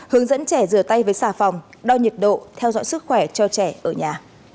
hướng dẫn trẻ rửa tay với xà phòng đo nhiệt độ theo dõi sức khỏe cho trẻ ở nhà